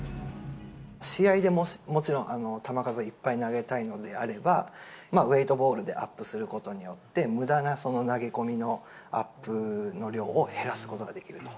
試合でもちろん、球数をいっぱい投げたいのであれば、ウエートボールでアップすることによって、むだなその投げ込みのアップの量を減らすことができると。